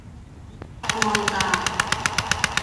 Уралда!